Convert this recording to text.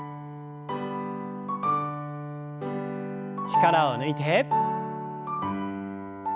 力を抜いて。